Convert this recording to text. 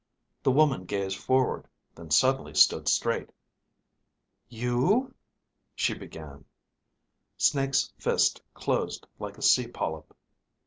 The woman gazed forward, then suddenly stood straight. "You ..." she began. Snake's fist closed like a sea polyp.